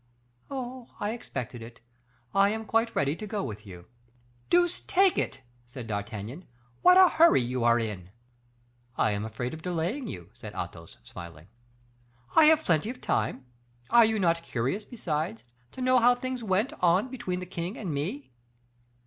"Oh, I expected it. I am quite ready to go with you." "Deuce take it!" said D'Artagnan, "what a hurry you are in." "I am afraid of delaying you," said Athos, smiling. "I have plenty of time. Are you not curious, besides, to know how things went on between the king and me?"